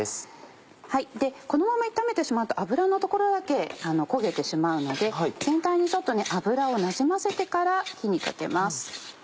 このまま炒めてしまうと油の所だけ焦げてしまうので全体にちょっと油をなじませてから火にかけます。